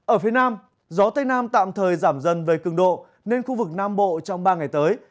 ở phía nam gió tây nam tạm thời giảm dần về cường độ nên khu vực nam bộ trong ba ngày tới